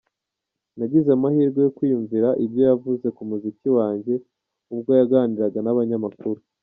Nagize amahirwe yo kwiyumvira ibyo yavuze ku muziki wanjye ubwo yaganiraga n’abanyamakuru.